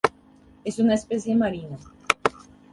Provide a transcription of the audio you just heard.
Es una especie marina.